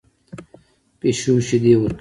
پیشو شیدې ورکوي